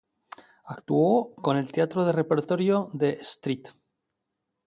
Actuó con el teatro de repertorio de St.